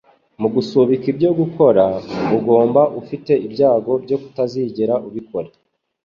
Mugusubika ibyo ugomba gukora, uba ufite ibyago byo kutazigera ubikora.